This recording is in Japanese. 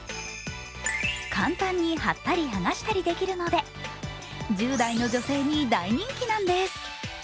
簡単に貼ったり剥がしたりできるので１０代の女性に大人気なんです。